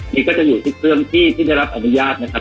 นี่ก็จะอยู่ทุกเรื่องที่ได้รับอนุญาตนะครับ